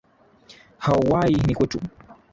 Hawai ni kwetu